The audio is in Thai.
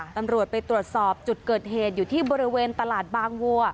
ตำรวจไปตรวจสอบจุดเกิดเหตุอยู่ที่บริเวณตลาดบางวัว